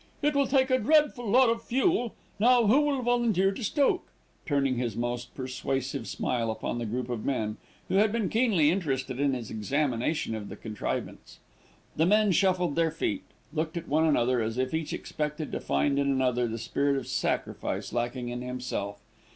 "It will take a dreadful lot of fuel. Now, who will volunteer to stoke?" turning his most persuasive smile upon the group of men, who had been keenly interested in his examination of the contrivance. The men shuffled their feet, looked at one another, as if each expected to find in another the spirit of sacrifice lacking in himself.